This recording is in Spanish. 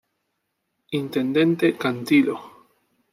Intendente Cantilo.